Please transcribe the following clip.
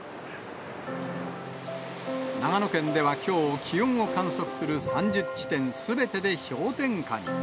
長野県ではきょう、気温を観測する３０地点すべてで氷点下に。